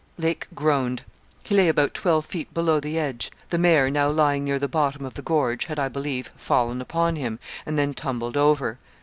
Lake groaned. He lay about twelve feet below the edge. The mare, now lying near the bottom of the gorge, had, I believe, fallen upon him, and then tumbled over.